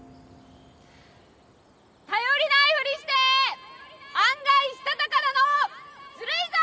頼りないふりして案外したたかなのずるいぞ！